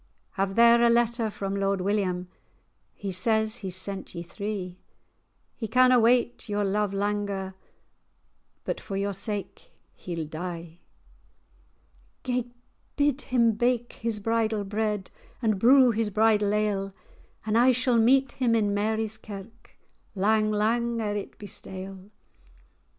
"Have there a letter from Lord William; He says he's sent ye three; He canna wait your love langer, But for your sake he'll die." "Gae bid him bake his bridal bread, And brew his bridal ale; And I shall meet him in Mary's Kirk, Lang, lang ere it be stale."